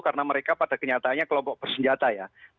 karena mereka pada kenyataannya kelompok bersenjata ya